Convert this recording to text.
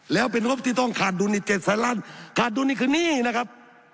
แล้วเป็นงบที่ต้องขาดดุลอีก๗แสนล้านขาดดุลนี่คือหนี้นะครับ